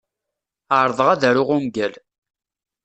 Ɛerḍeɣ ad aruɣ ungal.